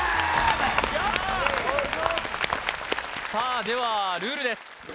さあではルールです